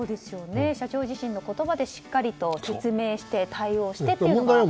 社長自身の言葉でしっかりと説明して、対応してというのが。